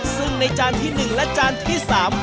ซึ่งในจานที่๑และจานที่สาม